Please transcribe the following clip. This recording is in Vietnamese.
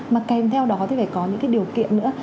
mà kèm theo đó thì phải có những cái điều kiện nữa